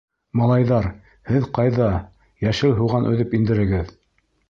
Малайҙар, һеҙ ҡайҙа, йәшел һуған өҙөп индерегеҙ!